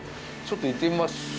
ちょっと行ってみます。